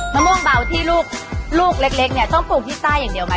มะม่วงเบาที่ลูกเล็กเนี่ยต้องปลูกพิซซ่าอย่างเดียวไหม